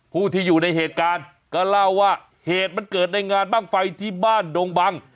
ผู้ที่อยู่ในเหตุการณ์ก็เล่าว่าเหตุมันเกิดในงานบ้างไฟที่บ้านดงบัง